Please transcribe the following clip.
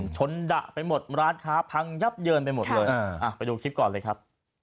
ดะไปหมดร้านค้าพังยับเยินไปหมดเลยไปดูคลิปก่อนเลยครับ